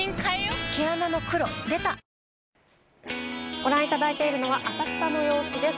ご覧いただいてるのは浅草の様子です。